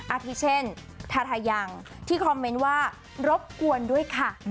อาทิเช่นทาทายังที่คอมเมนต์ว่ารบกวนด้วยค่ะ